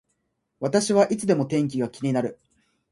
私はいつでも天気が気になる